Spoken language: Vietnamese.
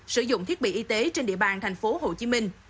sử dụng thiết bị y tế trên địa bàn tp hcm